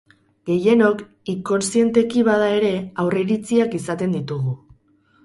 Gehienok, inkonszienteki bada ere, aurreiritziak izaten ditugu.